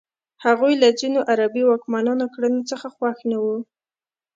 هغوی له ځینو عربي واکمنانو کړنو څخه خوښ نه وو.